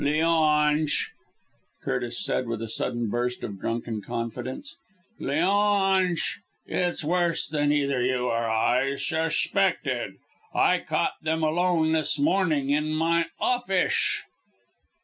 "Leonsh!" Curtis said, with a sudden burst of drunken confidence. "Leonsh! it's worse than either you or I shuspected. I caught them alone this morning in my offish."